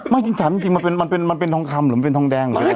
ไม่จริงจริงมันเป็นทองคำหรือมันเป็นทองแดงหรืออะไร